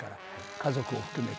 家族を含めて。